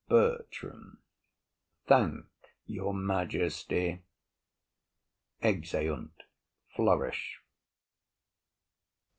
BERTRAM. Thank your majesty. [_Exeunt. Flourish.